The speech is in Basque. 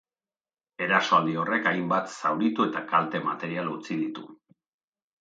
Erasoaldi horrek hainbat zauritu eta kalte material utzi ditu.